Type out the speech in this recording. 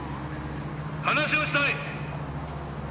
話がしたい！